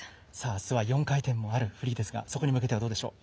明日は４回転もあるフリーですがそこに向けてはどうでしょう？